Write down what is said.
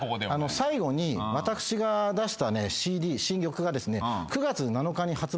最後に私が出したＣＤ新曲がですね９月７日に発売。